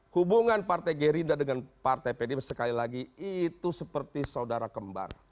hubungan partai gerinda dengan partai pdm sekali lagi itu seperti saudara kembang